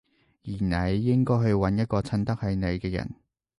而你應該去搵一個襯得起你嘅人